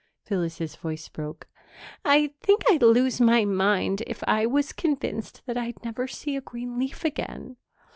Phyllis's voice broke. "I think I'd lose my mind if I was convinced that I'd never see a green leaf again.